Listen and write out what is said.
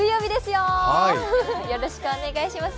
よろしくお願いします。